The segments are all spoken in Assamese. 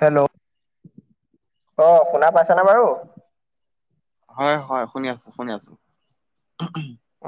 হেল্ল'। অঁ' শুনা পাইছানে বাৰু? হয় হয়, শুনি আছোঁ শুনি আছোঁ।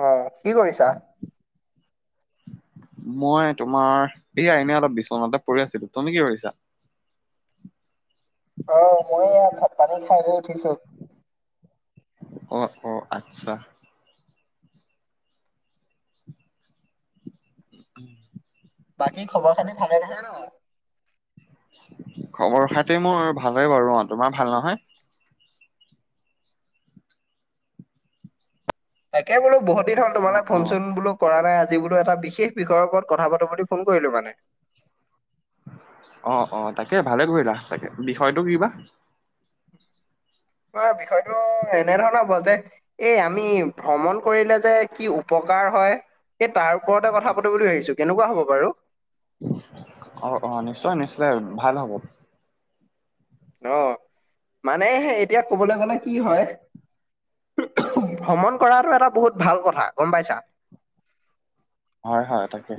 অঁ' কি কৰিছা? মই তোমাৰ এইয়া এনেই অলপ বিচনাতে পৰি আছিলো। তুমি কি কৰিছা? অহ' মই এইয়া ভাত পানী খাই বৈ উঠিছো। অঁ অঁ' আচ্ছা। উম। বাকী খবৰ খাতি ভালে দেখুন ন? খবৰ খাটি মোৰ ভালে বাৰু অঁ' তোমাৰ ভাল নহয়? তাকে বোলা বহুত দিন হ'ল অ তোমাৰ লে অ ফোন চোন বোলো কৰা নাই, আজি বোলো এটা বিশেষ বিষয়ৰ ওপৰত কথা পাতো বুলি ফোন কৰিলো মানে। অহ-অহ' তাকে ভালে কৰিলা তাকে, বিষয়টো কিবা? মানে বিষয়টো এনে ধৰণৰ হ'ব যে এই আমি ভ্ৰমণ কৰিলে যে কি উপকাৰ হয়। এই তাৰ ওপৰতে কথা পাতি বুলি ভাবিছোঁ, কেনেকুৱা হ'ব বাৰু? অহ-অহ' নিশ্চয় নিশ্চয় ভাল হ'ব। অঁ' মানে এতিয়া ক'বলৈ গ'লে কি হয়- ভ্ৰমণ কৰাটো এটা বহুত ভাল কথা গম পাইছা। হয় হয়, তাকে।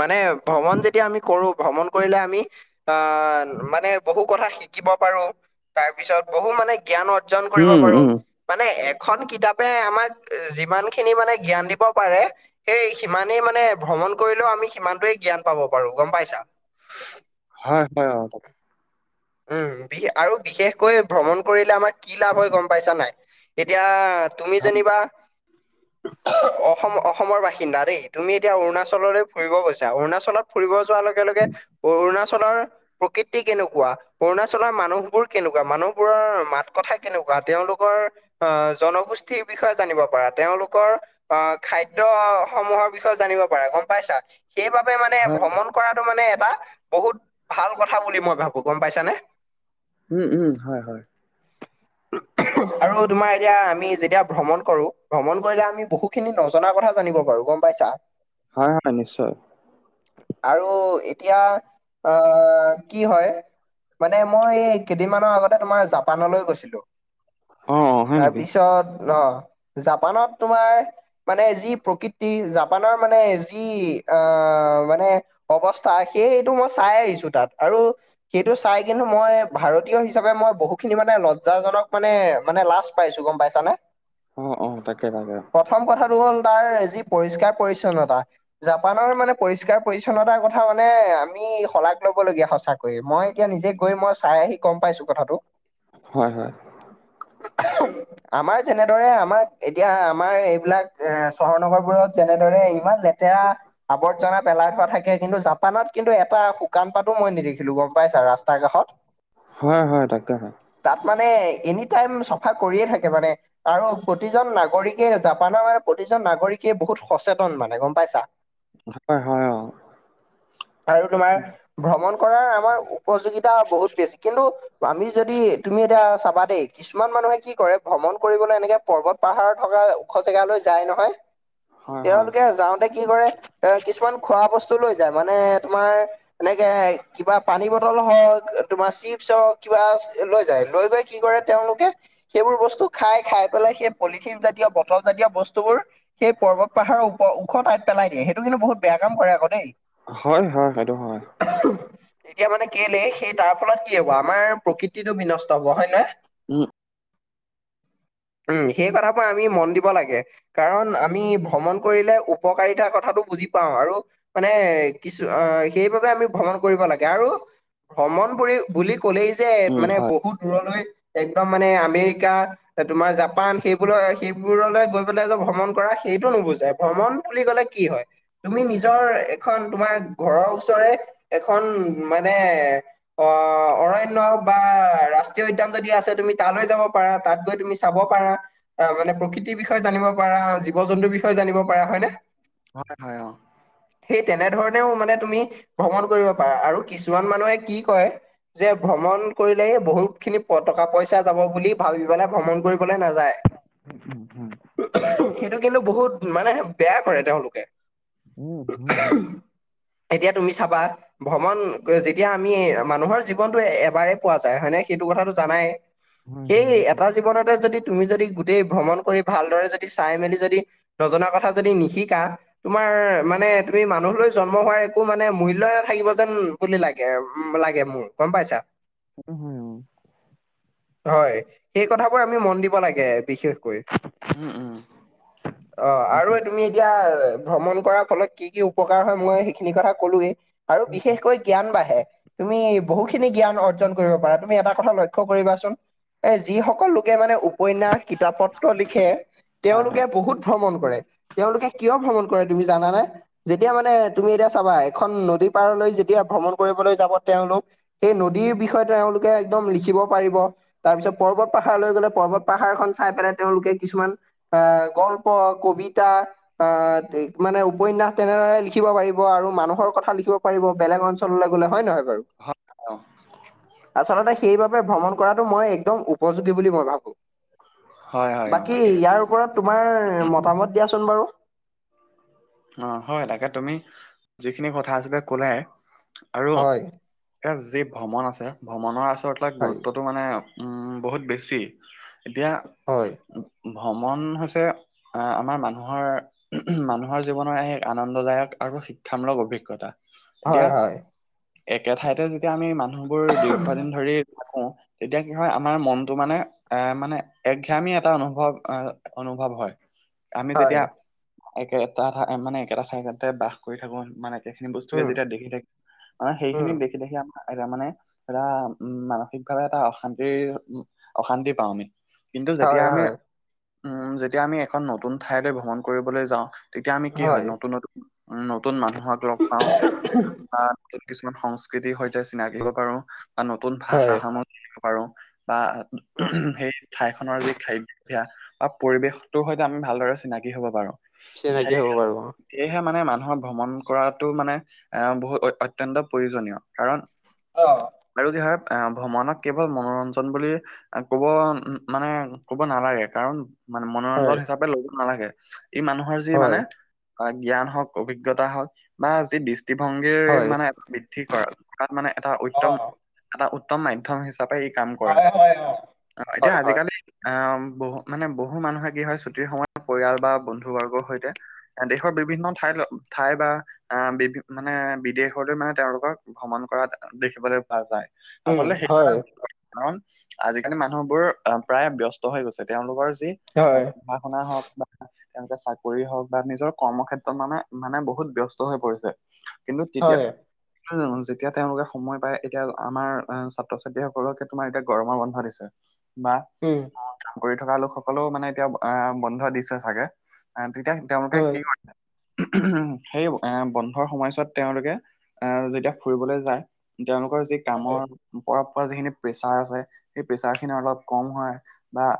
মানে ভ্ৰমণ যেতিয়া আমি কৰো ভ্ৰমণ কৰিলে আমি। আ মানে বহু কথা শিকিব পাৰো তাৰ পিছত বহু মানে। জ্ঞান অৰ্জন কৰিব উম পাৰো। উম মানে এখন কিতাপে আমাক যিমান খিনি মানে জ্ঞান দিব পাৰে। সেই সিমানেই মানে ভ্ৰমণ কৰিলেও আমি সিমানটোৱে জ্ঞান পাব পাৰো গম পাইছা। হয় হয়। উম বি আৰু বিশেষকৈ ভ্ৰমণ কৰিলে আমাৰ কি লাভ হয় গম পাইছা নাই এতিয়া। তুমি অ যেনিবা। অসম অসমৰ বাসিন্দা দেই তুমি এতিয়া অৰুণাচললৈ ফুৰিব গৈছা অৰুণাচলত। ফুৰিব যোৱাৰ লগে লগে অৰুণাচলৰ প্ৰকৃতি কেনেকুৱা। অৰুণাচলৰ মানুহবোৰ কেনেকুৱা মানুহবোৰৰ মাত কথা কেনেকুৱা তেওঁলোকৰ। আহ জনগোষ্ঠীৰ বিষয়ে জানিব পাৰা তেওঁলোকৰ। অ খাদ্য সমূহৰ বিষয়ে জানিব পাৰে গম পাইছা সেইবাব। বে মানে হয় ভ্ৰমণ কৰাটো মানে এটা বহুত ভাল কথা বুলি মই ভাবো গম পাইছানে। উম উম হয় হয়। [unintelligible] আৰু তুমাৰ এতিয়া আমি যেতিয়া ভ্ৰমণ কৰো ভ্ৰমণ কৰিলে আমি বহু খিনি নজনা কথা জানিব পাৰো গম পাইছ। চা। হয় [inaudible] নিশ্চয়। আৰু এতিয়া আহ কি হয়। মানে মই এই কেইদিনমানৰ আগতে তোমাৰ জাপানলৈ গৈছিলো। অ অ হয় নেকি তাৰপিছত অ জাপানত তোমাৰ। মানে যি প্ৰকৃতি জাপানৰ মানে যি আ মানে। অৱস্থা সে সেইটো মই চাই আহিছো তাত আৰু। সেইটো চাই কিন্তু মই ভাৰতীয় হিচাপে মই বহুতখিনি মানে লজ্জাজনক মানে মানে লাজ পাইছো গম পাইছানে। [inaudible] অ অ তাকে তাকে। প্ৰথম কথাটো হ'ল তাৰ যি পৰিষ্কাৰ পৰিছন্নতা। জাপানৰ মানে পৰিষ্কাৰ পৰিছন্নতাৰ কথা মানে আমি শলাগ লব লগগীয়া সঁচাকৈয়ে। মই এতিয়া নিজে গৈ মই চাই আহি গম পাইছো কথাটো। হয় হয়। [inaudible] আমাৰ যেনেদৰে আমাৰ এতিয়া আমাৰ এইবিলাক এ চহৰ নগৰবোৰত যেনেদৰে ইমান লেতেৰা। আৱৰ্জনা পেলাই থোৱা থাকে কিন্তু জাপানত কিন্তু এটা শুকান পাতো মই নিদেখিলো গম। পাইছা ৰাস্তাৰ কাষত। হয় হয় তাকে হে। তাত মানে এনিটাইম চফা কৰিয়ে থাকে মানে। আৰু প্ৰতিজন নাগৰিকে জাপানৰ মানে প্ৰতিজন নাগৰিকে বহুত সচেতন মানে গম পাইছা। হয় হয় অ। আৰু তোমাৰ ভ্ৰমণ কৰাৰ আমাৰ। উপযোগিতা বহুত বেছি কিন্তু আমি যদি তুমি এতিয়া চাবা দেই। কিছুমান মানুহে কি কৰে ভ্ৰমণ কৰিবলৈ এনেকে পৰ্বত পাহাৰ থকা ওখ জেগালৈ যায় নহয়। হয় হয় তেওঁলোকে যাওঁতে কি কৰে। এ কিছুমান খোৱা বস্তু লৈ যায় মানে তোমাৰ এনেকে কিবা। পানী বটল হওক তোমাৰ চিপচ হওক কিবা লৈ যায় লৈ গৈ কি কৰে তেওঁলোকে। সেইবোৰ বস্তু খাই খাই পেলাই সেই পলিথিন জাতীয় বটল জাতীয় বস্তুবোৰ। সেই পৰ্বত পাহাৰৰওপ ওখ ঠাইত পেলাই দিয়ে সেইটো কিন্তু বহুত বেয়া কাম কৰে আকৌ দেই। হয় হয় সেইটো হয়। এতিয়া মানে কেলেই সেই তাৰ ফলত কি হব আমাৰ প্ৰকৃতিটো বিনষ্ট হব হয় না। উম। উম সেই কথাবোৰ আমি মন দিব লাগে। কাৰণ আমি ভ্ৰমণ কৰিলে উপকাৰিতা কথাটো বুজি পাওঁ আৰু। মানে কিছু আহ সেইবাবে আমি ভ্ৰমণ কৰিব লাগে। আৰু ভ্ৰমণ বুলি বুলি কলেই যে উম, মানে হয়, বহুত দূৰলৈ। একদম মানে আমেৰিকা। তোমাৰ জাপান সেইবোৰ সেইবোৰলৈ গৈ পেলাই যে ভ্ৰমণ কৰা সেইটো নুবুজাই ভ্ৰমণ বুলি ক'লে। কি হয় তুমি নিজৰ এখন তোমাৰ ঘৰৰ ওচৰে এখন। মানে। অ অৰণ্য বা ৰাষ্ট্ৰীয় উদ্যান যদি আছে তুমি তালৈ যাব পাৰা তাত গৈ তুমি। চাব পাৰা অ মানে প্ৰকৃতিৰ বিষয়ে জানিব পাৰা জীৱ জন্তুৰ বিষয়ে জানিব পাৰা হয় নে। হয় হয় অ। সেই তেনেধৰণেও মানে তুমি ভ্ৰমণ কৰিব পাৰা আৰু কিছুমান মানুহে কি কয়। যে ভ্ৰমণ কৰিলে বহুত খিনি টকা-পইচা যাব বুলি ভাবি পেলাই ভ্ৰমণ কৰিবলৈ নাযায়। [unintelligible] অ হু সেইটো কিন্তু বহুত মানে বেয়া কৰে তেওঁলোকে। উম, অ হু উম। এতিয়া তুমি চাবা ভ্ৰমণ। যেতিয়া আমি মানুহৰ জীৱনটো এবাৰে পোৱা যায় হয় ন সেইটো কথাটো জানাই।। হয়, সেই হয়, এটা জীৱনতে যদি তুমি যদি গোটেই ভ্ৰমণ কৰি ভালদৰে যদি চাই মেলি যদি। নজনা কথা যদি নিশিকা। তোমাৰ মানে তুমি মানুহলৈ জন্ম হোৱাৰ একো মানে মূল্যই নাথাকিব যেন। বুলি লাগে উম লাগে মোৰ গম পাইছা। অ, হয় অ। হয়, সেই কথাবোৰ আমি মন দিব লাগে বিশেষকৈ। অ, আৰু তুমি এতিয়া। ভ্ৰমণ কৰাৰ ফলত কি কি উপকাৰ হয় মই সেইখিনি কথা ক'লোৱেই আৰু বিশেষকৈ। জ্ঞান বাঢ়ে তুমি বহুখিনি জ্ঞান অৰ্জন কৰিব পাৰা তুমি এটা কথা লক্ষ্য কৰিবাচোন। এ যিসকল লোকে মানে উপন্যাস কিতাপ-পত্ৰ লিখে তেওঁলোকে বহুত। ভ্ৰমণ কৰে তেওঁলোকে কিয় ভ্ৰমণ কৰে তুমি জানানে? যেতিয়া মানে তুমি এতিয়া চাবা এখন নদী পাৰলৈ যেতিয়া ভ্ৰমণ কৰিবলৈ যাব তেওঁলোক। সেই নদীৰ বিষয়ে তেওঁলোকে একদম লিখিব পাৰিব। তাৰ পিছত পৰ্বত-পাহাৰলৈ গলে পৰ্বত-পাহাৰখন চাই পেলাই তেওঁলোকে কিছুমান। আ গল্প, কবিতা। আ মানে উপন্যাস তেনেদৰে লিখিব পাৰিব আৰু মানুহৰ কথা লিখিব পাৰিব বেলেগ অঞ্চল। তললে গ'লে হয় নহয় বাৰু? আচলতে সেইব। ভ্ৰমণ কৰাটো মই একদম উপযোগী বুলি মই ভাবো। হয়, হয়, অ', বাকী তাকে ইয়াৰ ওপৰত তোমাৰ মতামত দিয়াচোন বাৰু। অ, হয় তাকে তুমি যিখিনি কথা আছিলে কলাই আৰু। হয়, এয়া যি ভ্ৰমণ আছে ভ্ৰমণৰ আচলতে হয়, গুৰুত্ব। টো মানে বহুত বেছি এতিয়া। হয়। ভ্ৰমণ হৈছে আহ আমাৰ মানুহৰ মানুহৰ- জীৱনৰ এক আন্দদায়ক আৰু শিক্ষামূলক অভিজ্ঞতা, হয়, এতিয়া- হয়। একে ঠাইতে যেতিয়া আমি মানুহবোৰ দীৰ্ঘদিন ধৰি- তেতিয়া কি হয় আমাৰ মনটো মানে- এ মানে একঘেয়ামী এটা অনুভৱ আহ অনুভৱ হয়। আমি হয়, যেতিয়া, একে এটা ঠাই মানে একেটা ঠাইতে বাস কৰি থাকো মানে- সেইখিনি বস্তুকে উম, যেতিয়া দেখি থাকে, অ সেইখিনি উম, দেখি দেখি- এটা মানে এটা উম মানসিকভাৱে এটা অশান্তিৰ অশান্তি পাওঁ আমি। কিন্তু যেতিয়া হয়, আমি, হয়, উম যেতিয়া আমি এখন নতুন ঠাইলৈ ভ্ৰমণ কৰিবলৈ যাওঁ। তেতিয়া আমি কি হয় নতুন নতুন নতুন মানুহক লগ পাওঁ। কিছুমান সংস্কৃতিৰ সৈতে চিনাকিব হ'ব পাৰো বা নতুন ভাষা হয়। সমূহ সোনিব পাৰো। বা উম সেই ঠাইখনৰ যি খাদ্য- বা পৰিৱেশটো সৈতে আমি ভালদৰে চিনাকি হ'ব পাৰো। চিনাকি সেই- হ'ব পাৰো অ। সেয়েহে মানে মানুহক ভ্ৰমণ কৰাটো মানে- আহ বহুত অত্যন্ত প্ৰয়োজনীয় কাৰণ- অ। আৰু কি হয় আহ ভ্ৰমণক কেৱল মনোৰঞ্জন বুলি- কব মানে কব নালাগে কাৰণ- মানে হয়, মনোৰঞ্জন হিচাপে লব নালাগে, ই মানুহৰ যি হয়, মানে- জ্ঞান হওক অভিজ্ঞতা হওক বা যি দৃষ্টিভংগীৰ হয়, মানে- কৰা তাত মানে এটা উত্তম অ', এটা উত্তম মাধম্য হিচাপে ই কাম কৰে। হয়, হয়, অ', অ এতিয়া হয়, হয়, আজিকালি- আহ বহু মানে বহু মানুহে কি হয় ছুটিৰ সময়ত পৰিয়াল বা বন্ধু বৰ্গৰ সৈতে- দেশৰ বিভিন্ন ঠাই ঠাই বা- আহ বিভি মানে বিদেশলৈ মানে তেওঁলোকক ভ্ৰমণ কৰাত দেখিবলৈ পোৱা যায়। উম, আচলতে সেইটো হয়, এটা- কাৰণ আজিকালি মানুহবোৰ আহ প্ৰায় বস্ত হৈ গৈছে তেওঁলোকৰ যি- হয়, পঢ়া শুনা হওক বা, তেওঁলোকে- কৰি হওক বা নিজৰ কৰ্মক্ষেত্ৰত মানে মানে বহুত ব্যস্ত হৈ পৰিছে কিন্তু তেতিয়া- হয়। যেতিয়া তেওঁলোকে সময় পায় এতিয়া আমাৰ ছাত্ৰ ছাত্ৰীসকলকে তোমাৰ এতিয়া গৰমৰ বন্ধা দিছে। বা- উম। অ কাম কৰি থকা লোকসকলেও মানে এতিয়া আহ বন্ধ দিছে চাগে। আহ তেতিয়া তেওঁলোকে হয়। কি কৰে সেই এ বন্ধৰ সময়ছোৱাত তেওঁলোকে- অহ যেতিয়া ফুৰিবলৈ যায় তেওঁলোকৰ যি কামৰ- ওপৰ পৰা যিখিনি প্ৰেছাৰ আছে সেই প্ৰেছাৰ খিনি অলপ কম হয় বা-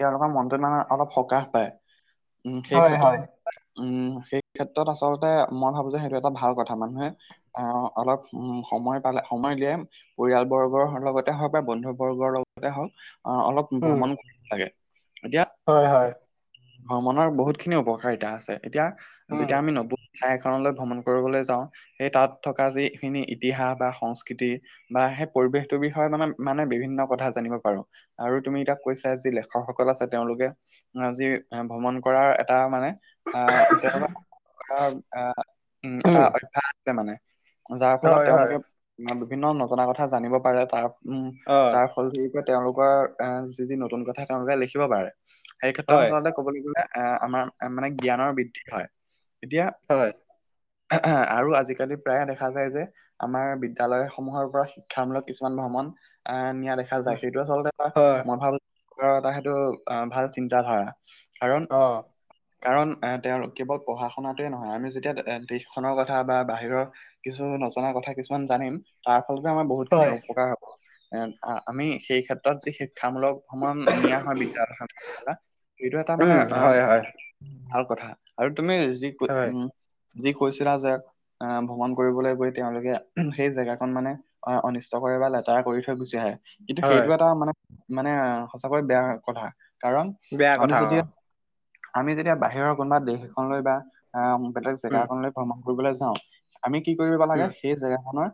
তেওঁলোকৰ মনটোত মানে অলপ সকাহ পায়। উ সেই হয়, হয়, ক্ষেত্ৰত উম সেই ক্ষেত্ৰত আচলতে মই ভাবো যে সেইটো এটা ভাল কথা মানুহে- অ অলপ উম সময় পালে সময় উলিয়াই - পৰিয়াল বৰ্গৰ লগতে হওক বা বন্ধু বৰ্গৰ লগতে হওক অহ অলপ- উম, ভ্ৰমণ কৰিব লাগে, এতিয়া- হয় হয়। ভ্ৰমণৰ বহুত খিনি উপকাৰিতা আছে এতিয়া উম, যেতিয়া আমি নব ঠাইখনলৈ ভ্ৰমণ কৰিবলৈ যাওঁ সেই তাত থকা যিখিনি ইতিহাস বা সংস্কৃতিৰ- বা সেই পৰিৱেশটোৰ বিষয়ে মানে, মানে বিভিন্ন কথা জানিব পাৰো। আৰু তুমি এতিয়া কৈছা, যি লেখকসকল আছে তেওঁলোকে অ', যি এ ভ্ৰমণ কৰাৰ এটা মানে আ, তেনেকুৱা ধৰা, আ, উম এটা অভ্যাস [unintelligible] মানে যাৰ ফলত হয়, হয়, তেওঁলোকে বিভিন্ন নজনা কথা জানিব পাৰে, তাৰ উম, অ', তাৰ ফল [unintelligible] তেওঁলোকৰ আ, যি, যি, নতুন কথা তেওঁলোকে লিখিব পাৰে। সেই ক্ষেত্ৰত হয়, আচলতে ক'বলে গ'লে, এ আমাৰ মানে জ্ঞানৰ বৃদ্ধি হয়, এতিয়া হয়। হে, হে, আৰু আজিকালি প্ৰায়ে দেখা যায় যে আমাৰ বিদ্যালয় সমূহৰ পৰা শিক্ষামূলক কিছুমান ভ্ৰমণ, আ নিয়া দেখা দেখা উম, যায় সেইটো আচলতে এটা, হয়, মই ভাবো এটা সেইটো আ ভাল চিন্তা ধাৰা, কাৰণ অ', কাৰণ এ, তেওঁৰ কেৱল পঢ়া শুনাটোৱে নহয়, আমি যেতিয়া দে দেশখনৰ কথা বা বাহিৰৰ কিছু নজনা কথা কিছুমান জানিম। তাৰ ফলত আমাৰ বহুত খিনি হয়, উপকাৰ হ'ব এ, আ, আমি সেই ক্ষেত্ৰত যি শিক্ষামূলক ভ্ৰমণ নিয়া হয় বিদ্যা [unintelligible] এইটো এটা উম, মানে হয়, হয়, অ' ভাল কথা আৰু তুমি যি কৈ- হয়। উম যি কৈছিলা যে, আ, ভ্ৰমণ কৰিবলৈ গৈ তেওঁলোকে সেই, জেগাকন মানে অ', অনিষ্ট কৰে বা লেতেৰা কৰি থৈ গুচি আহে। কিন্তু হয়, সেইটো, এটা মানে, মানে সঁচাকৈ বেয়া কথা, কাৰণ বেয়া আমি কথা যদি অ' আমি যেতিয়া বাহিৰ কোনোবা দেশ এখন লৈ বা আ বেলেগ জেগা উম, একনলৈ ভ্ৰমণ কৰিবলৈ যাওঁ আমি কি কৰিব লাগে, উম, সেই জেগাখনৰ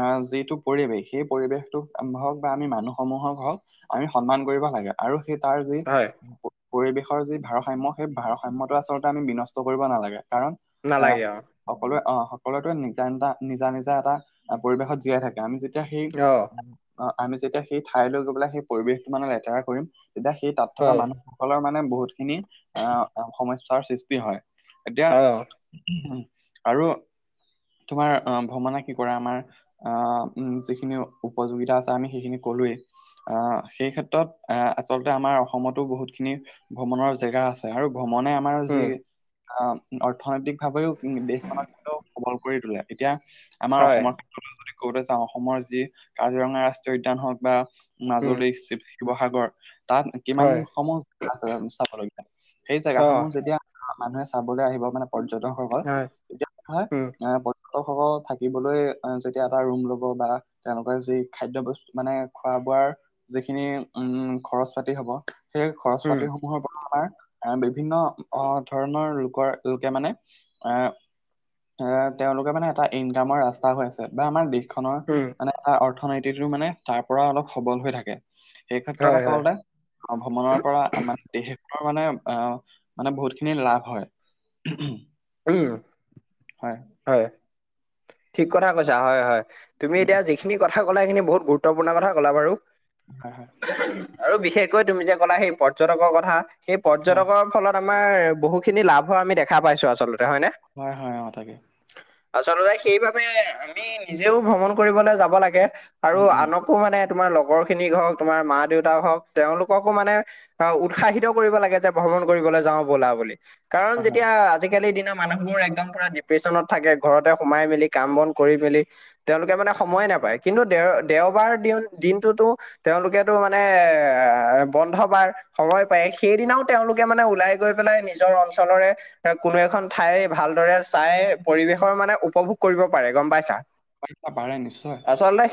আ যিটো পৰিৱেশ সেই পৰিৱেশটো হওক বা আমি মানুহ সমূহক হওক আমি সন্মান কৰিব লাগে আৰু সেই তাৰ যি হয়, প-পৰিৱেশৰ যি ভাৰস সাম্য সেই, ভাৰসাম্যটো আচলতে আমি বিনষ্ট কৰিব নালাগে, কাৰণ এ নালাগে অ' সকলোৱে অ', সকলোৱেটো নিজা, নিজা এটা, নিজা, নিজা এটা পৰিৱেশত জীয়াই থাকে, আমি যে তেতিয়া সেই অ', মান আ আমি যেতিয়া সেই ঠাইলৈ গৈ পেলাই, সেই পৰিৱেশটো মানে লেতেৰা কৰিম। তেতিয়া, সেই তাত থকা হয়, মানুহসকলৰ মানে, বহুতখিনি আ, অ', সমস্যাৰ সৃষ্টি হয়। এতিয়া, অ', আৰু তোমাৰ অ', ভ্ৰমনে কি কৰে আমাৰ আ, যিখিনি উপযোগিতা আছে, আমি সেইখিনি কলোৱেই। আ, সেই ক্ষেত্ৰত আ, আচলতে আমাৰ অসমতো বহুত খিনি ভ্ৰমণৰ জেগা আছে। চে আৰু ভ্ৰমণে আমাৰ যি উম, আ, অৰ্থনৈতিক ভাৱেও উ দেশখন [unintelligible] সবল কৰি তোলে, এতিয়া আমাৰ হয়, অসমৰ [unintelligible] যদি কওঁতে চাওঁ, অসমৰ যি কাজিৰঙা ৰাষ্ট্ৰীয় উদ্যান হওক বা উম, মাজুলী চি শিৱসাগৰ, তাত কিমান হয়, সমূহ আছে চাবলগীয়া, সেই জেগা অ', সমূহ যে তিয়া মানুহে চাবলৈ আহিব মানে পৰ্যটকসকল হয়, তেতিয়া [unintelligible] উম, আ, প অ', স-স থাকিবলৈ অ', যেতিয়া এটা ৰুম ল'ব বা তেওঁলোকে যি খাদ্য বস্তু, মানে খোৱা বোৱাৰ যিখিনি উম খৰচ পাতি হব। সেই খৰচ উম, পাতিসমূহৰ পৰা আমাৰ এ বিভিন্ন অ', ধৰণৰ লোকৰ লোকে মানে, এ এ তেওঁলোকে মানে এটা ইনকামৰ ৰাস্তা হৈ আছে বা আমাৰ দেশ দেশখনৰ উম, মানে অ-অ-অৰ্থনীতিটো মানে তাৰ পৰা অলপ সবল হৈ থাকে। সেই হয়, ক্ষেত্ৰত হয়, আচলতে আহ ভ্ৰমণৰ পৰা মানে দেশন মানে অ মানে বহুতখিনি লাভ হয়। উম। হয়। হয়। ঠিক কথা কৈছা হয় হয় তুমি উম, এতিয়া যিখিনি কথা কথা কলা সেইখিনি বহুত গুত্বপূৰ্ণ কথা কলা বাৰু। হয় হয়। আৰু বিশেষকৈ তুমি যে ক'লা সেই পৰ্যটকৰ কথা, সেই হয় পৰ্যটকৰ ফলত আমাৰ বহুখিনি লাভ হোৱা আমি দেখা পাইছো আচলতে হয়নে? হয় হয় অ তাকে। আচলতে সেইবাবে আমি নিজেও ভ্ৰমণ কৰিবলৈ যাব লাগে। আৰু উম উম আনকো মানে তোমাৰ লগৰ খিনিক হওক, তোমাৰ মা-দেউতা হওক তেওঁলোককো মানে আহ উৎসাহিত কৰিব লাগে যে ভ্ৰমণ কৰিবলৈ যাওঁ ব'লা বুলি কাৰণ হয় হয় যেতিয়া আজিকালিৰ দিনা মানুহবোৰ একদম পুৰা ডিপ্ৰেশ্যনত থাকে ঘৰতে সোমাই মেলি কাম বন কৰি মেলি তেওঁলোকে মানে সময় নাপায়। কিন্তু দেও-দেওবাৰ দিন-দিনটোতো তেওঁলোকেতো মানে এ বন্ধ বাৰ সময় পায় সেইদিনাও তেওঁলোকে মানে ওলাই গৈ পেলাই নিজৰ অঞ্চলৰে কোনো এখন ঠাই ভালদৰে চাই পৰিৱেশৰ মানে উপভোগ কৰিব পাৰে গম পাইছা। [unintelligible] নিশ্চয় আচলতে